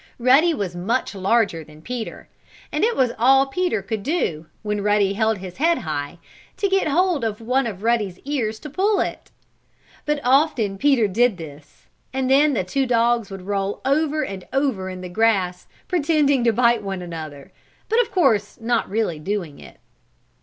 Ruddy was much larger than Peter, and it was all Peter could do, when Ruddy held his head high, to get hold of one of Ruddy's ears to pull it. But often Peter did this, and then the two dogs would roll over and over in the grass, pretending to bite one another, but, of course, not really doing it.